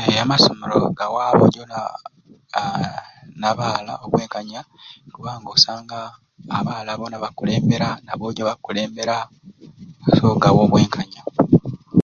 Ee amasomero gawa aboojo aa n'abaala obwenkanya kubanga osanga abaala boona bakukulembera n'aboojo bakukulembera so gawa obwenkanya.